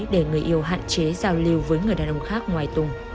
để người yêu hạn chế giao lưu với người đàn ông khác ngoài tùng